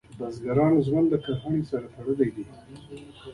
د بزګرانو ژوند د کرنې سره تړلی دی.